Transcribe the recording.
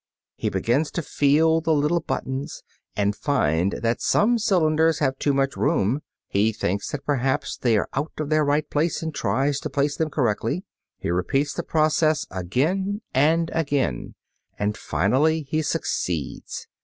He begins to feel the little buttons and finds that some cylinders have too much room. He thinks that perhaps they are out of their right place and tries to place them correctly. He repeats the process again and again, and finally he succeeds.